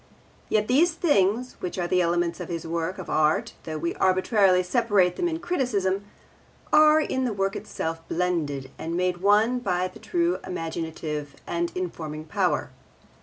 Yet these things, which are the elements of his work of art though we arbitrarily separate them in criticism, are in the work itself blended and made one by the true imaginative and informing power.